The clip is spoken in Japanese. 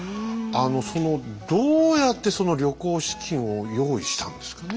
そのどうやってその旅行資金を用意したんですかね